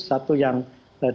satu yang dpd